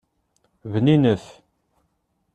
Bninet.